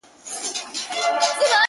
څله بيا په دومره درد، ماته اړوې سترگي,